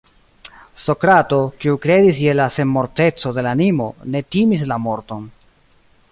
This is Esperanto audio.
Sokrato, kiu kredis je la senmorteco de la animo, ne timis la morton.